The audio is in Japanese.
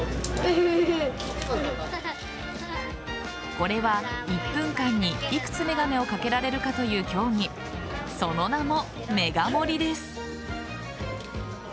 これは１分間にいくつ眼鏡をかけられるかという競技その名も、めが盛りです。